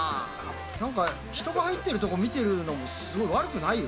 なんか人が入ってるとこ見てるのもすごい、悪くないよ。